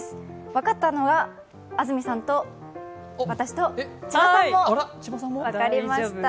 分かったのは安住さんと私と、千葉さんも分かりました。